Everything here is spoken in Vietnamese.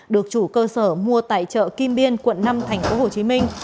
được chủ cơ sở mua tại chợ kim biên quận năm thành phố hồ chí minh